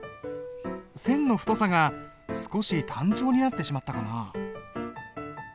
線の太さが少し単調になってしまったかな？